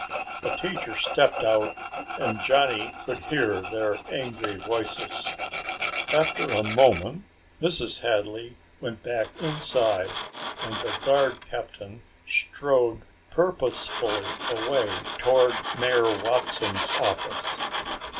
The teacher stepped out and Johnny could hear their angry voices. After a moment Mrs. Hadley went back inside and the guard captain strode purposefully away toward Mayor Watson's office.